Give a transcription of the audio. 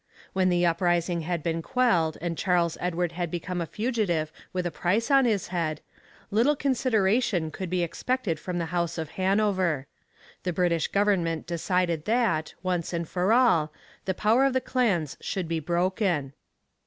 When the uprising had been quelled and Charles Edward had become a fugitive with a price on his head, little consideration could be expected from the house of Hanover. The British government decided that, once and for all, the power of the clans should be broken.